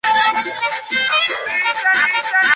Esta página describe el convertidor de tipo inversor.